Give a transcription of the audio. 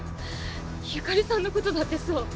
由香里さんのことだってそう。